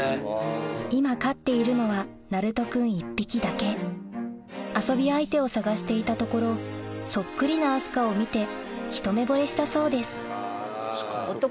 今飼っているのはなるとくん１匹だけ遊び相手を探していたところそっくりな明日香を見てひと目ぼれしたそうです